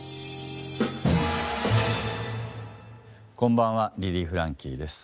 こんばんはリリー・フランキーです。